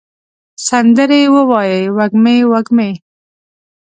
سندرې ووایې وږمې، وږمې